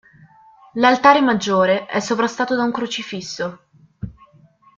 L'altare maggiore è sovrastato da un "crocifisso".